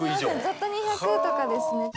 ざっと２００とかですね。